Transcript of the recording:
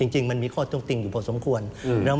จริงมันมีข้อตรงติงอยู่พอสมควร